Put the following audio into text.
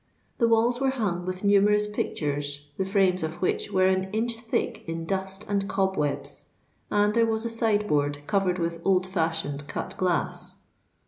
The walls were hung with numerous pictures the frames of which were an inch thick in dust and cob webs; and there was a side board covered with old fashioned cut glass.